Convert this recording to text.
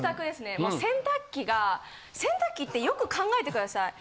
洗濯機が洗濯機ってよく考えてください。